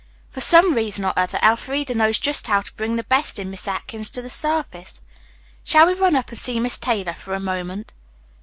For some reason or other Elfreda knows just how to bring the best in Miss Atkins to the surface. Shall we run up and see Miss Taylor for a moment?"